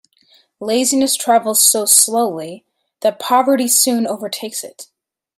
Laziness travels so slowly that poverty soon overtakes it.